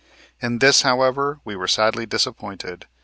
In this, however, we were sadly disappointed.